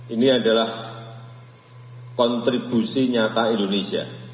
ini adalah kontribusi nyata indonesia